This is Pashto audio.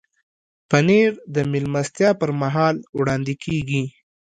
پنېر د میلمستیا پر مهال وړاندې کېږي.